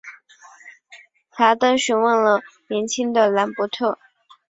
戈登询问了年轻的兰伯特。